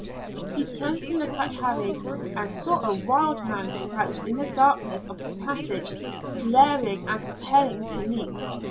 He turned to look at Harry, and saw a wild man crouched in the darkness of the passage, glaring, and preparing to leap.